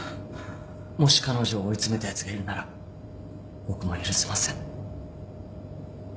もし彼女を追い詰めたやつがいるなら僕も許せません